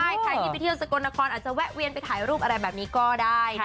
ใช่ใครที่ไปเที่ยวสกลนครอาจจะแวะเวียนไปถ่ายรูปอะไรแบบนี้ก็ได้